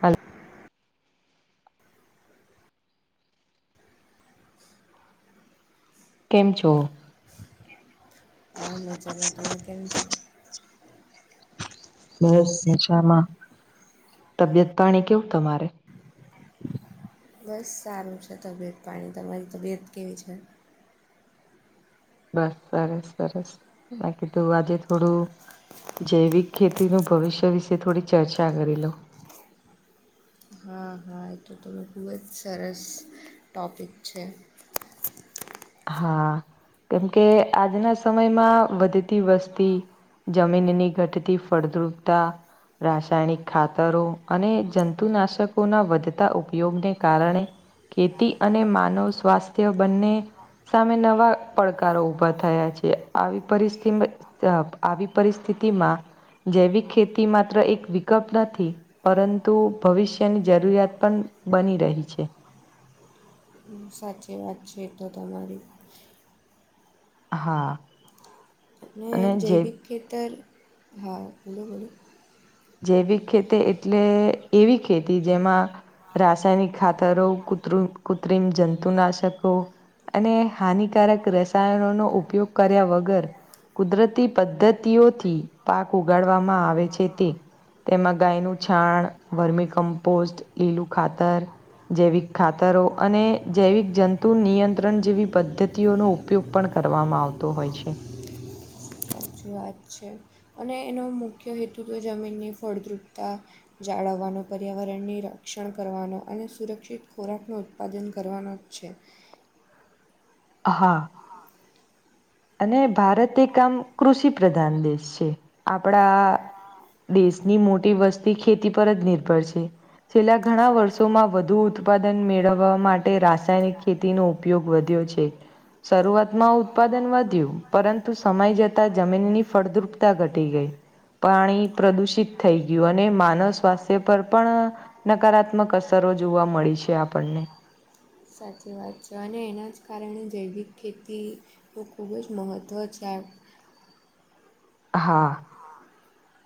Hello. કેમ છો? હ મજામાં. તમે કેમ છો? બસ મજામા તબિયત પાણી કેવું તમારે બસ સારું છે તબિયત પાણી તમારી તબિયત કેવી છે. બસ સરસ સરસ બાકી તો આજે થોડું જૈવિક ખેતીનું ભવિષ્ય વિશે થોડી ચર્ચા કરી લો. હા હા. હા એ તો તને ખૂબ જ સરસ ટૉપિક છે. હા કેમકે આજના સમયમાં વધતી વસ્તી જમીનની ઘટતી ફળદ્રુપતા રાસાયણિક ખાતરો અને જંતુનાશકોના વધતા ઉપયોગને કારણે ખેતી અને માનવ સ્વાસ્થ્ય બંને સામે નવા પડકારો ઉભા થયા છે આવી પરિસ્થિતિમાં આવી પરિસ્થિતિમાં જૈવિક ખેતી માત્ર એક વિકલ્પ નથી. પરંતુ ભવિષ્યની જરૂરિયાત પણ બની રહી છે. સાચી વાત છે એ તો તમારી. હા. ને અને જે જૈવિક ખેતર હા બોલો બોલો જૈવિક ખેતી એટલે એવી ખેતી જેમાં રાસાયનિક ખાતરો કુત્રું કુત્રિમ જંતુનાશકો અને હાનિકારક રસાયણોનો ઉપયોગ કર્યા વગર કુદરતી પદ્ધતિઓથી પાક ઉગાડવામાં આવે છે તે તેમાં ગાયનું છાણ વરમી કમ્પોસ્ટ લીલું ખાતર જૈવિક ખાતરો અને જૈવિક જંતુ નિયંત્રણ જેવી પદ્ધતિઓનો ઉપયોગ પણ કરવામાં આવતો હોય છે. સાચી વાત છે અને એનો મુખ્ય હેતુ તો જમીનની ફળદ્રુપતા જાળવવાનો પર્યાવરણની રક્ષણ કરવાનો અને સુરક્ષિત ખોરાકનો ઉત્પાદન કરવાનો છે. હા. અને ભારત એક આમ કૃષિ પ્રધાન દેશ છે આપડા દેશની મોટી વસ્તી ખેતી પર જ નિર્ભર છે. છેલ્લા ઘણા વર્ષોમાં વધુ ઉત્પાદન મેળવવા માટે રાસાયણિક ખેતીનો ઉપ યોગ વધ્યો છે શરૂઆતમાં ઉત્પાદન પરંતુ સમય જતા જમીનની ફળદ્રુપતા ઘટી ગઈ. પાણી પ્રદુષિત થઈ ગયું અને માનવ સ્વાસ્થ્ય પર પણ નકારાત્મક અસરો જોવા મળી છે આપણને સાચી વાત છે અને એના જ કારણે જૈવિક ખેતી નું ખૂબ જ મહત્વ છે આ હા.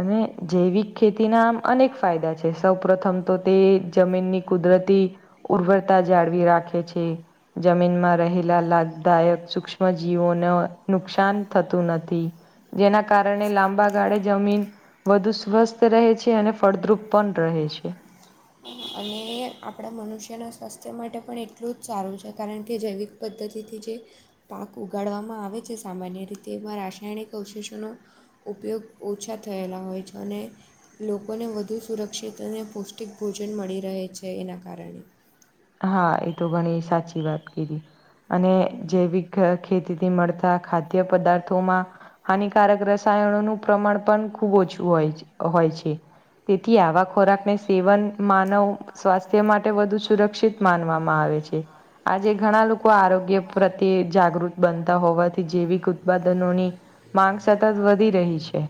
અને જૈવિક ખેતીના આમ અનેક ફાયદા છે, સૌપ્રથમ તો તે જમીનની કુદરતી ગુણવત્તા જાળવી રાખે છે. જમીનમાં રહેલા લાભદાયક સસૂક્ષ્મજીવો નુકસાન થતું નથી. જેના કારણે લાંબા ગાળે જમીન વધુ સ્વસ્થ રહે છે અને ફળદ્રુપ પણ રહે છે. અને આપણા મનુષ્યના સ્વાસ્થ્ય માટે પણ એટલું જ સારું છે કારણ કે, જૈવિક પદ્ધતિથી જે પાક ઉગાડવામાં આવે છે, સામાન્ય રીતે એમાં રાસાયણિક અવશેષો નો ઉપયોગ ઓછા થયેલા હોય છે અને લોકોને વધુ સુરક્ષિત અને પૌષ્ટિક ભોજન મળી રહે છે, એના કારણે હા, એ તો ઘણી સાચી વાત કીધી. અને જૈવિક ખેતી થી મળતા ખાદ્ય પદાર્થોમાં હાનિકારક રસાયણોનું પ્રમાણ પણ ખૂબ ઓછું હોય, હોય છે. તેથી આવા ખોરાકને સેવન માનવ સ્વાસ્થ્ય માટે વધુ સુરક્ષિત માનવામાં આવે છે. આજે ઘણા લોકો આરોગ્ય પ્રત્યે જાગૃત બનતા હોવાથી જૈવિક ઉત્પાદનો ની માંગ સતત વધી રહી છે.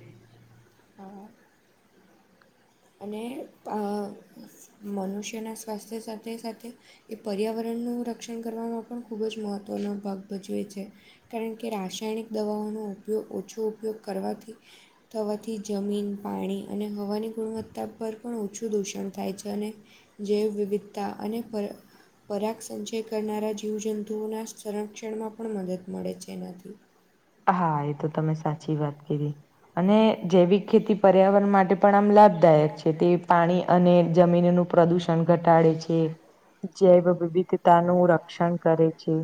અને પા... અ મનુષ્યના સ્વાસ્થ્ય સાથે-સાથે એ પર્યાવરણનું રક્ષણ કરવામાં પણ ખૂબ જ મહત્વનો ભાગ ભજવે છે. કારણ કે, રાસાયણિક દવાઓનો ઉપયોગ ઓછો ઉપયોગ કરવાથી થવાથી જમીન, પાણી અને હવાની ગુણવત્તા પર પણ ઓછું દૂષણ થાય છે. અને જૈવ-વિવિધતા અને પર્યા પરાક સંચય કરનારા જીવજંતુઓ ના સંરક્ષણમાં પણ મદદ મળે છે એનાથી. હા, એ તો તમે સાચી વાત કીધી અને જૈવિક ખેતી પર્યાવરણ માટે પણ આમ લાભ દાયક છે તે પાણી અને જમીન નું પ્રદુષણ ઘટાડે છે. જૈવ-વિવિધતાનું રક્ષણ કરે છે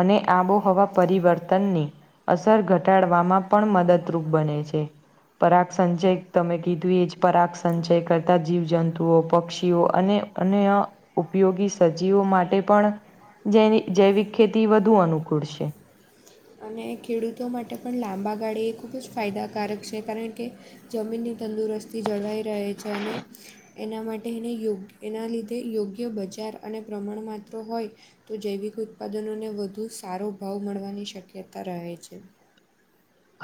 અને આબોહવા પરિવર્તન ની અસર ઘટાડવામાં પણ મદદરૂપ બને છે, પરાક સંચય તમે કીધું એ જ, પરાક્ષ સંચય કરતા જીવ-જંતુઓ પક્ષીઓ અને, અને આ ઉપયોગી સજીવો માટે પણ જૈવિ, જૈવિક ખેતી વધુ અનુકૂળ છે. અને ખેડૂતો માટે પણ લાંબા ગાળે એ ખૂબ જ ફાયદાકારક છે, કારણ કે જમીન ની તંદુરસ્તી જળવાઈ રહે છે અને એના માટે એને યોગ એના લીધે યોગ્ય બજાર અને પ્રમાણ મા તો હોય. તો જૈવિક ઉત્પાદનોને વધુ સારો ભાવ મળવાની શક્યતા રહે છે.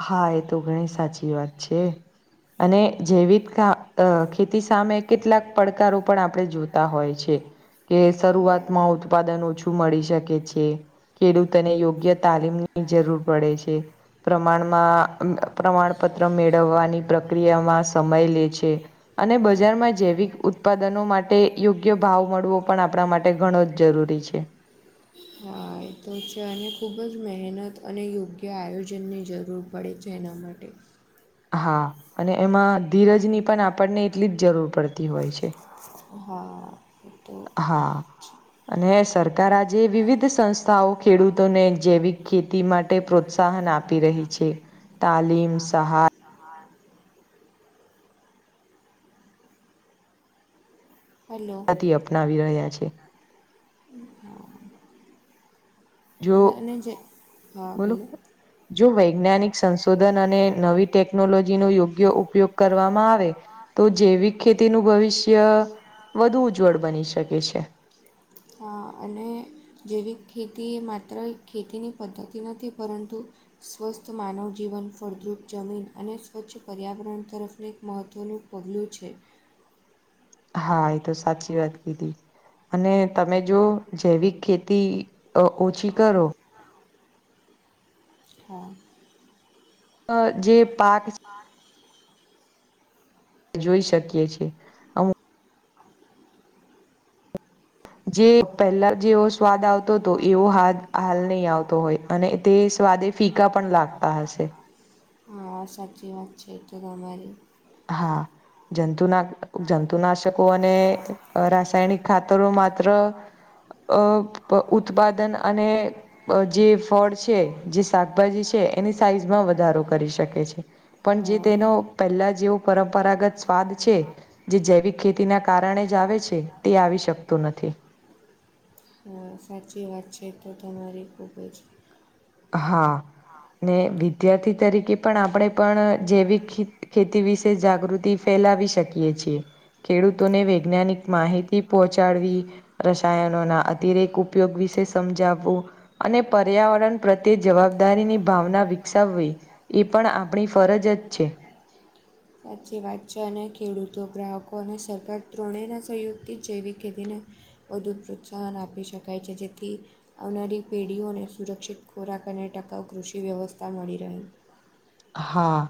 હા, એ તો ઘણી સાચી વાત છે, અને જૈવિકતા અ, ખેતી સામે કેટલાક પડકારો પણ આપણે જોતા હોય છે. કે, હા શરૂઆતમાં આવતું ઉત્પાદન ઓછું મળી શકે છે, ખેડૂતોને યોગ્ય તાલીમની જરૂર પડે છે. પ્રમાણ માં પ્રમાણપત્ર મેળવવાની પ્રક્રિયામાં સમય લે છે. અને બજારમાં જૈવિક ઉત્પાદનો માટે યોગ્ય ભાવ મળવો પણ આપણા માટે ઘણો જ જરૂરી છે. હા એ તો છે અને ખૂબ જ મહેનત અને યોગ્ય આયોજનની જરૂર પડે છે એના માટે હા અને એમાં ધીરજની પણ આપણને એટલી જ જરૂર પડતી હોય છે હા તો હા અને સરકાર આજે વિવિધ સંસ્થાઓ ખેડૂતોને જેૈવીક ખેતી માટે પ્રોત્સાહન આપી રહી છે તાલીમ સહાય [inaudible] હેલો. અપનાવી રહ્યા છે. [inaudible] જો અને જે બોલો જો વૈજ્ઞાનિક સંશોધન અને નવી ટેકનોલોજીનો યોગ્ય ઉપયોગ કરવામાં આવે તો જૈવિક ખેતીનું ભવિષ્ય વધુ ઉજ્જવળ બની શકે છે. હા અને જેૈવીક ખેતી એ માત્ર ખેતીની પદ્ધતિ નથી પરંતુ સ્વસ્થ માનવ જીવન ફળદ્રુપ જમીન અને સ્વચ્છ પર્યાવરણ તરફનું એક મહત્ત્વનું પગલું છે. હા એ તો સાચી વાત કીધી અને તમે જો જૈવિક ખેતી અ ઓછી કરો હા. અ જે પાક [inaudible] જોઈ શકીએ છે. [inaudible] જે પહેલાં જેવો સ્વાદ આવતો હતો એવો હા હાલ નહીં આવતો હોય અને તે સ્વાદે ફીકા પણ લાગતા. હશે. હા સાચી વાત છે એતો તમારી હા જંતુના જંતુનાશકો અને રાસાયણિક ખાતરો માત્ર અ ઉત્પાદન અને જે ફળ છે જે શાકભાજી છે એની સાઈઝમાં વધારો કરી શકે છે. પણ જે હા તેનો પહેલા જેવો પરંપરાગત સ્વાદ છે. જે જૈવિક ખેતીના કારણે જ આવે છે તે આવી શકતું નથી. સાચી વાત છે તો તમારી ખૂબ જ હા ને વિદ્યાર્થી તરીકે પણ આપણે પણ જેવી ખી ખેતી વિશે જાગૃતિ ફેલાવી શકીએ છીએ. ખેડૂતોને વૈજ્ઞાનિક માહિતી પહોંચાડવી રસાયણોના અતિરેક ઉપયોગ વિશે સમજાવવું અને પર્યાવરણ પ્રત્યે જવાબદારીની ભાવના વિકસાવવી એ પણ આપણી ફરજ જ છે. સાચી વાત છે અને ખેડૂતો ગ્રાહકો અને સરકાર ત્રણેના સહયોગથી જૈવિક ખેતીને વધુ પ્રોત્સાહન આપી શકાય છે જેથી આવનારી પેઢીઓને સુરક્ષિત ખોરાક અને ટકાઉ કૃષિ વ્યવસ્થા મળી રહે. હા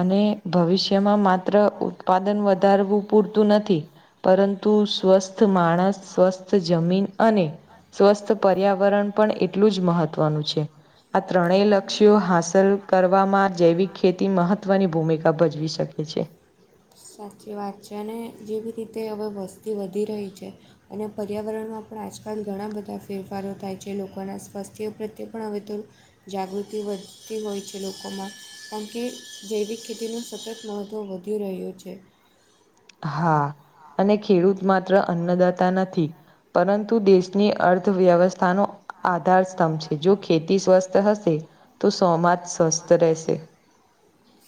અને ભવિષ્યમાં માત્ર ઉત્પાદન વધારવું પૂરતું નથી પરંતુ સ્વસ્થ માણસ સ્વસ્થ સ્વથ જમીન અને સ્વસ્થ પર્યાવરણ પણ એટલું જ મહત્વનું છે. આ ત્રણેય લક્ષ્યો હાંસલ કરવા કરવામાં જૈવિક ખેતી મહત્વની ભૂમિકા ભજવી શકે છે. સાચી વાત છે અને જેવી રીતે હવે વસ્તી વધી રહી છે. અને પર્યાવરણમાં પણ આજકાલ ઘણા બધા ફેરફારો થાય છે લોકોનાં સ્વાસ્થ્ય પ્રત્યે પણ હવે તો જાગૃતિ વધતી હોય છે લોકોમાં કારણ કે જૈવિક ખેતીનું સતત મહત્ત્વ વધુ વધી રહ્યું છે. હા અને ખેડૂત માત્ર અન્નદાતા નથી પરંતુ દેશની અર્થ અર્થવ્યવસ્થાનો આધાર સ્તંભ છે જો ખેતી સ્વસ્થ હશે. તો સૌમાજ સ્વસ્થ રેહશે.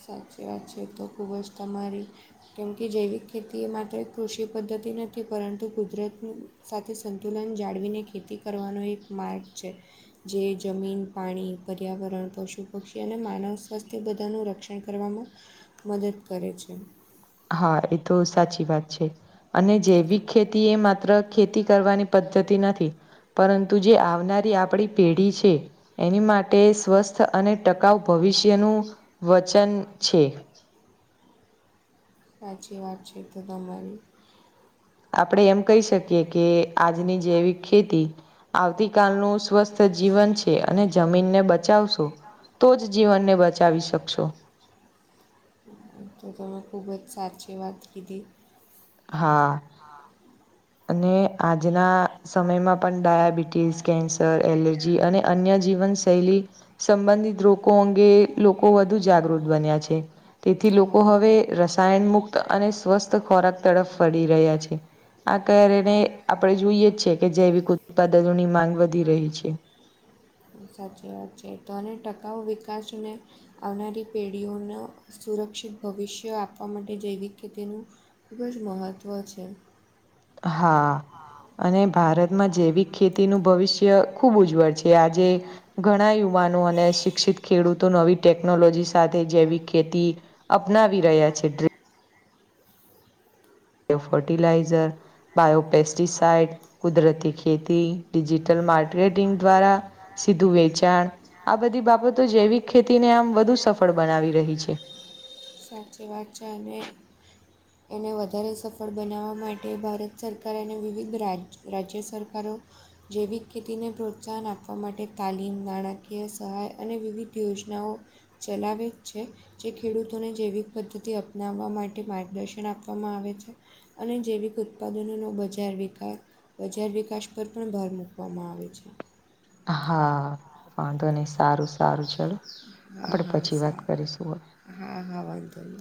સાચી વાત છે એ તો ખૂબ જ તમારી કેમ કે જૈવિક ખેતી એ માત્ર કૃષિ પદ્ધતિ નથી પરંતુ કુદરતની સાથે સંતુલન જાળવીને ખેતી કરવાનો એક માર્ગ છે. જે જમીન પાણી પર્યાવરણ પશુ પક્ષી અને માનવ સ્વાસ્થ્ય બધાનું રક્ષણ તે કરવામાં મદદ કરે છે. હા એ તો સાચી વાત છે. અને જૈવિક ખેતી એ માત્ર ખેતી કરવાની પદ્ધતિ નથી. પરંતુ જે આવનારી આપણી પેઢી છે એની માટે ટે સ્વસ્થ અને ટકાઉ ભવિષ્યનું વચન છે. સાચી વાત છે એ તો તમારી આપણે એમ કહી શકીએ કે આજની જેવી ખેતી આવતી કાલનું સ્વસ્થ જીવન છે અને જમીનને બચાવશો તો જ જીવનને બચાવી શકશો. તો તમે ખૂબ જ સાચી વાત કીધી. હા. હા. અને આજના સમયમાં પણ ડાયાબિટીસ કેન્સ એલર્જી અને અન્ય જીવન શૈલી સંબંધિત રોગ અંગે લોકો વધુ જાગૃત બન્યા છે. તેથી હા લોકો હવે રસાયણ મુુક્ત અને સ્વસ્થ ખોરાક તરફ ફરી રહ્યા છે. આ કારણે હા આપડે જોઈએ જ છે કે જૈવિક ઉત્પાદનોની માંગ વધી રહી છે સાચી વાત છે તો અને ટકાઉ વિકાસને આવનારી પેઢીઓનું સુરક્ષિત ભવિષ્ય આપવા માટે જૈવિક ખેતીનું ખૂબ જ મહત્ત્વ છે. હા અને ભારતમાં જૈવિક ખેતીનું ભવિષ્ય ખૂબ ઉજ્વળ છે. કે આજે ઘણા યુવાનો અને શિક્ષિત ખેડૂતો નવી ટેકનોલોજી સાથે જેવીક ખેતી અપનાવી રહ્યા છે. ફર્ટિલાઇઝર બાયોપેસ જી સાઇટ કુદરતી ખેતી ડિજિટલ માર્કેટિંગ દ્વારા સીધું વેચાણ આ બધી બાબતો જૈવિક ખેતીને આમ વધુ સફળ બનાવી રહી છે. [inaudible] સાચી વાત છે અને એને વધારે સફળ બનાવવા માટે ભારત સરકાર કાર અને વિવિધ રાજ રાજ્ય સરકારો જૈવિક ખેતીને પ્રોત્સાહન આપવા માટે તાલીમ નાણાકીય સહાય અને વિવિધ યોજનાઓ ચલાવે છે. જે ખેડૂતોને જૈવિક પદ્ધતિ અપનાવવા માટે માર્ગદર્શન આપવામાં આવે છે. અને જૈવિક ઉત્પાદનો નો બજાર વિકા, બજાર વિકાસ પર પણ ભાર મૂકવામાં આવે છે. હા, વાંધો નહી સારું -સારું ચાલો, હા આપડે હા પછી વાત સારું કરીશું હવે. હા.. હા, વાંધો નઇ.